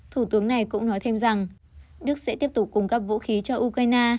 thủ tướng này cũng nói thêm rằng đức sẽ tiếp tục cung cấp vũ khí cho ukraine